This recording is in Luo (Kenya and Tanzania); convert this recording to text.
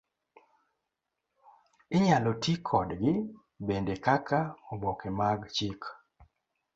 Inyalo ti kodgi bende kaka oboke mag chik.